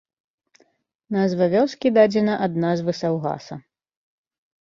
Назва вёскі дадзена ад назвы саўгаса.